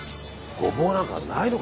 ゴボウなんかないのか。